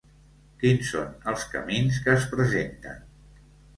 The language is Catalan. Quins són els camins que es presenten?